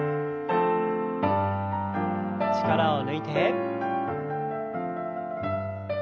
力を抜いて。